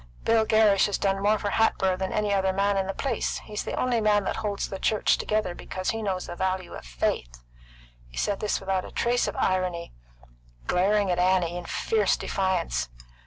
"Bill Gerrish has done more for Hatboro' than any other man in the place. He's the only man that holds the church together, because he knows the value of faith." He said this without a trace of irony, glaring at Annie with fierce defiance.